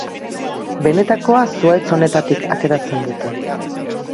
Benetakoa zuhaitz honetatik ateratzen dute.